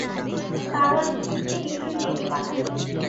দারোয়ানকে নিখিল ডেকে পাঠালে।